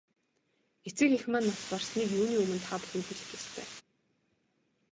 Эцэг эх маань нас барсныг юуны өмнө та бүхэнд хэлэх ёстой.